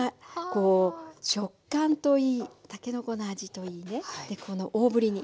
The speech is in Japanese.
食感といいたけのこの味といいねでこの大ぶりに。